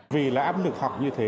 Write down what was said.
vì là áp lực học như thế